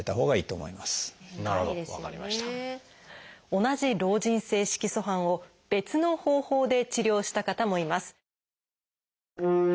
同じ老人性色素斑を別の方法で治療した方もいます。